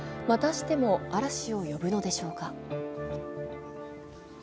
しても嵐を呼ぶのでしょうか。